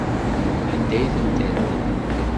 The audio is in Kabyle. Anda ay ten-ternam?